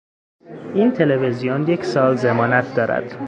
این تلویزیون یک سال ضمانت دارد